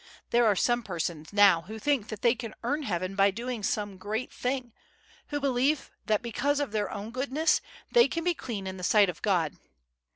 "There are some persons now who think that they can earn heaven by doing some great thing, who believe that because of their own goodness they can be clean in the sight of God.